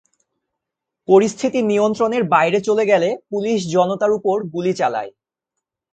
পরিস্থিতি নিয়ন্ত্রণের বাইরে চলে গেলে, পুলিশ জনতার ওপর গুলি চালায়।